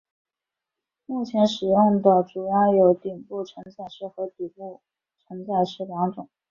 目前使用的主要有顶部承载式和底部承载式两种。